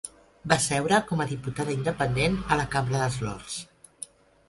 Va seure com a diputada independent a la Cambra dels Lords.